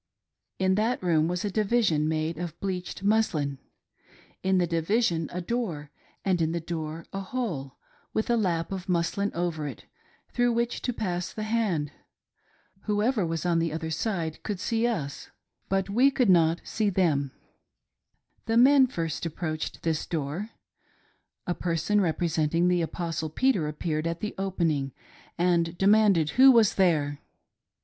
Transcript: In that room was a division made of bleached muslin ; in the division a door and in the door a hole, with a lap of muslin over it, through which to pass the hand. Whoever was on the other side could see us, but we could not GRIPS AXD PASSWORDS OF THE "THIRD DEGREE," 367 see them. The men first approached this door. A person representing the Apostle Peter appeared at the opening and demanded who was there.